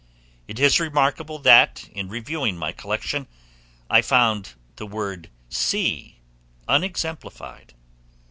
It is remarkable that, in reviewing my collection, I found the word sea unexemplified.